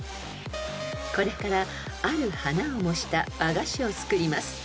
［これからある花を模した和菓子を作ります］